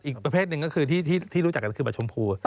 อีกประเภทหนึ่งก็คือที่รู้จักกันคือบัตรชมพู